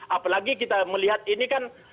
apalagi kita melihat ini kan